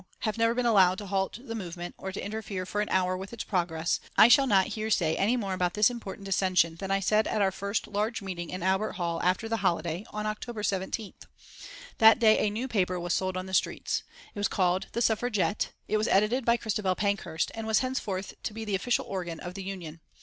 U., have never been allowed to halt the movement or to interfere for an hour with its progress, I shall not here say any more about this important dissension than I said at our first large meeting in Albert Hall after the holiday, on October 17th. That day a new paper was sold on the streets. It was called The Suffragette, it was edited by Christabel Pankhurst, and was henceforth to be the official organ of the Union.